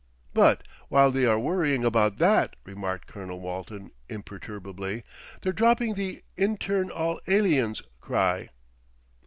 "But while they are worrying about that," remarked Colonel Walton imperturbably, "they're dropping the 'intern all aliens' cry."